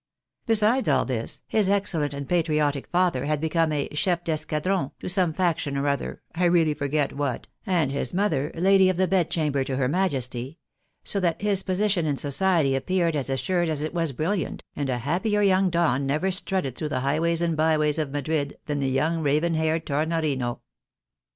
Besides all this, his excellent and patriotic father had become a clief d'escadron to some faction or other, I really forget what, and his mother, lady of the bedchamber to her Majesty ; so that his position in society appeared as assured as it was brilliant, and a happier young Don never strutted through the highways and byways of Madrid than the young raven haired Tornorino.